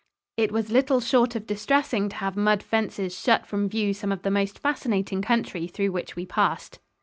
It was little short of distressing to have mud fences shut from view some of the most fascinating country through which we passed.